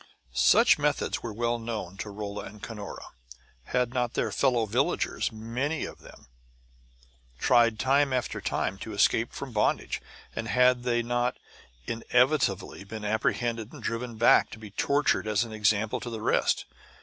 Such methods were well known to Rolla and Cunora. Had not their fellow villagers, many of them, tried time after time to escape from bondage? And had they not inevitably been apprehended and driven back, to be tortured as an example to the rest?